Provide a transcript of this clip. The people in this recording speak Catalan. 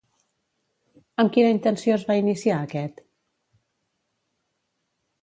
Amb quina intenció es va iniciar aquest?